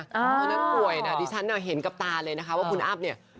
ตอนนั้นป่วยนะดิฉันเห็นกับตาเลยนะคะว่าคุณอ้ำเนี่ย